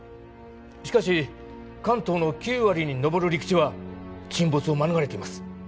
しかし関東の９割にのぼる陸地は沈没を免れています